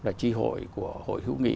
là tri hội của hội hữu nghị